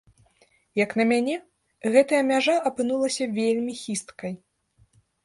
Як на мяне, гэтая мяжа апынулася вельмі хісткай.